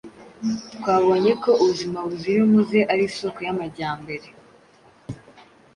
Twabonye ko ubuzima buzira umuze ari isoko y’amajyambere;